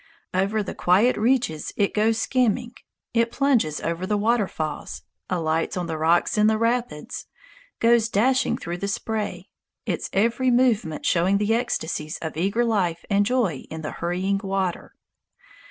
Over the quiet reaches it goes skimming; it plunges over the waterfalls, alights on rocks in the rapids, goes dashing through the spray, its every movement showing the ecstasies of eager life and joy in the hurrying water.